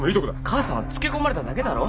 母さんはつけ込まれただけだろ。